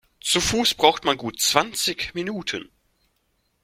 Zu Fuß braucht man gut zwanzig Minuten.